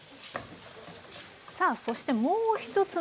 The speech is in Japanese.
さあそしてもう一つのお鍋